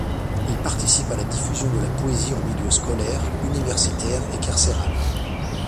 Il participe à la diffusion de la poésie en milieu scolaire, universitaire et carcéral.